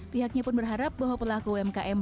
pihaknya pun berharap bahwa pelaku umkm